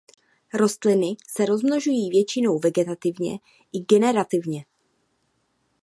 Rostliny se rozmnožují většinou vegetativně i generativně.